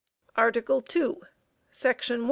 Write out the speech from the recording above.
ARTICLE II, Section 1.